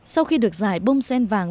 sau khi được giải bông sen vàng